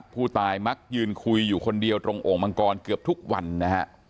มักยืนคุยอยู่คนเดียวตรงโอ่งมังกรเกือบทุกวันนะฮะ